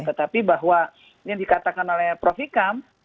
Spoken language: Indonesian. tetapi bahwa ini dikatakan oleh prof ikam